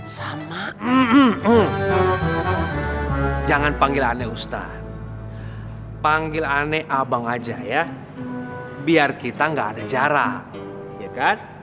sama jangan panggil aneh usta panggil aneh abang aja ya biar kita enggak ada jarak ya kan